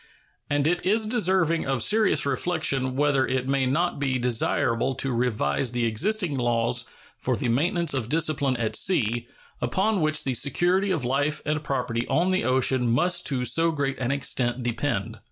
And it is deserving of serious reflection whether it may not be desirable to revise the existing laws for the maintenance of discipline at sea, upon which the security of life and property on the ocean must to so great an extent depend.